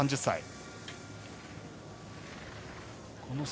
３０歳。